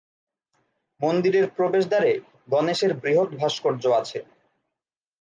মন্দিরের প্রবেশ দ্বারে গণেশ-এর বৃহৎ ভাস্কর্য আছে।